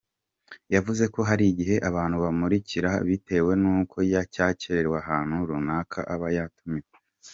Yavuze ko hari igihe abantu bamurakarira bitewe n’uko yacyererewe ahantu runaka aba yatumiwe.